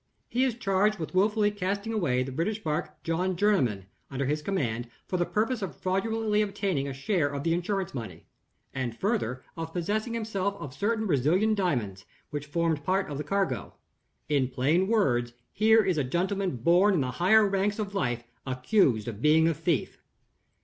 He is charged with willfully casting away the British bark John Jerniman, under his command, for the purpose of fraudulently obtaining a share of the insurance money; and further of possessing himself of certain Brazilian diamonds, which formed part of the cargo. In plain words, here is a gentleman born in the higher ranks of life accused of being a thief.